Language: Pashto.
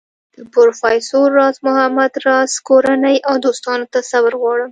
د پروفیسر راز محمد راز کورنۍ او دوستانو ته صبر غواړم.